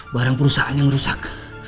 barang perusahaan yang rusak